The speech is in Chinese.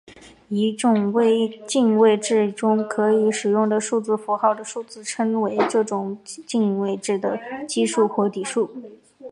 一种进位制中可以使用的数字符号的数目称为这种进位制的基数或底数。